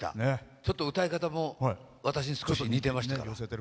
ちょっと歌い方も私にちょっと似てました。